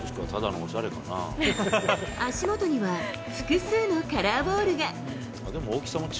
足元には複数のカラーボールが。